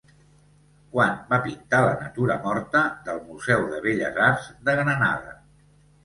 Quan va pintar la natura morta del Museu de Belles Arts de Granada?